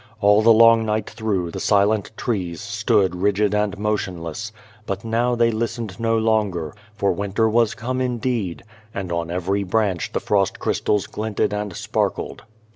All the long night through the silent trees stood rigid and motionless, but now they listened no longer, for winter was come indeed, and on 166 The Garden of God every branch the frost crystals glinted and sparkled.